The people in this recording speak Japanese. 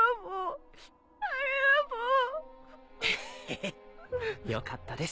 ヘヘよかったです